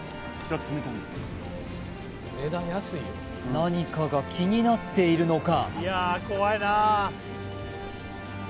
何かが気になっているのか？